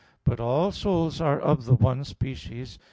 But all souls are of the one species.